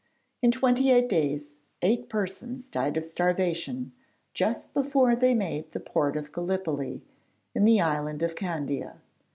In twenty eight days, eight persons died of starvation, just before they made the port of Gallipoli in the island of Candia.